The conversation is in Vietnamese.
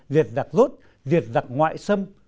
diệt giặc rốt diệt giặc ngoại xâm